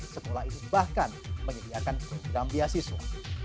sekolah ini bahkan menyediakan program beasiswa